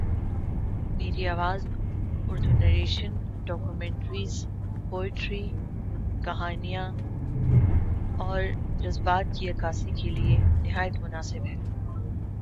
The auction took less than nine minutes.